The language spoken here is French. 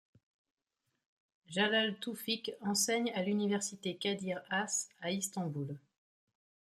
Jalal Toufic enseigne à l'université Kadir Has à Istanbul.